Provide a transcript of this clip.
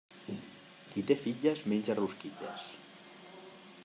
Qui té filles menja rosquilles.